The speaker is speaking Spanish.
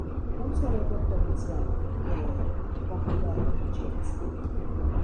un cerebro provinciano... eh, con cuidado, chicas.